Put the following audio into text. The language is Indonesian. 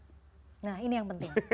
nah ini yang penting